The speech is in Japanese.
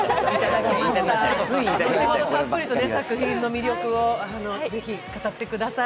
このあとたっぷりと作品の魅力をたっぷり語ってください。